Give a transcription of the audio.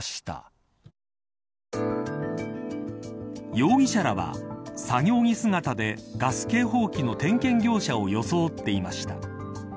容疑者らは作業着姿でガス警報器の点検業者を装っていました。